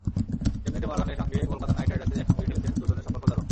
এমনিতে মরগানের সঙ্গে কলকাতা নাইট রাইডার্সে একসঙ্গে খেলেছেন, দুজনের সম্পর্কও দারুণ।